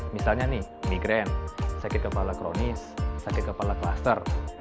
misalnya nih migren sakit kepala kronis sakit kepala klaster